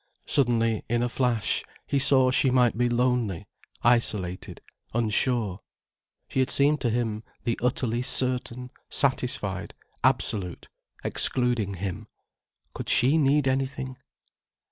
Suddenly, in a flash, he saw she might be lonely, isolated, unsure. She had seemed to him the utterly certain, satisfied, absolute, excluding him. Could she need anything?